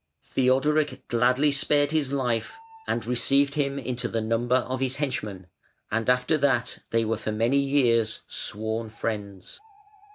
Theodoric gladly spared his life, and received him into the number of his henchmen, and after that they were for many years sworn friends.